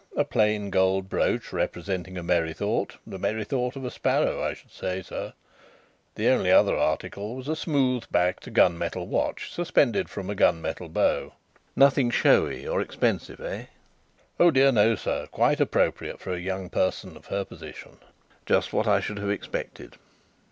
A plain gold brooch representing a merry thought the merry thought of a sparrow, I should say, sir. The only other article was a smooth backed gun metal watch, suspended from a gun metal bow." "Nothing showy or expensive, eh?" "Oh dear no, sir. Quite appropriate for a young person of her position." "Just what I should have expected."